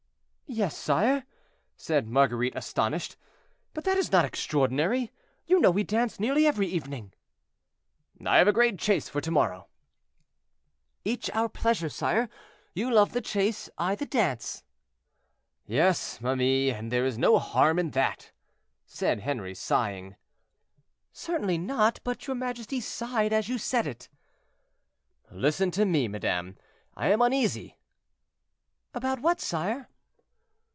"Yes, sire," said Marguerite, astonished, "but that is not extraordinary; you know we dance nearly every evening." "I have a great chase for to morrow." "Each our pleasure, sire; you love the chase, I the dance." "Yes, ma mie, and there is no harm in that," said Henri, sighing. "Certainly not; but your majesty sighed as you said it." "Listen to me, madame; I am uneasy." "About what, sire?"